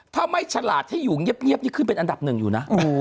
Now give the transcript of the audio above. ถ้าไม่ฉลาดให้อยู่เงียบนี่ขึ้นเป็นอันดับหนึ่งอยู่นะ